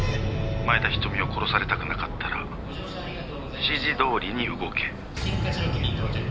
前田瞳を殺されたくなかったら指示どおりに動け。